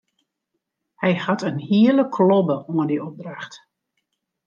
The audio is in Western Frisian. Hy hat in hiele klobbe oan dy opdracht.